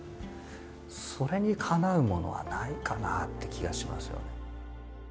それにかなうものはないかなって気がしますよね。